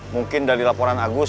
mungkin dari laporan agus